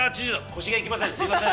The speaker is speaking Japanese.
腰がいきません。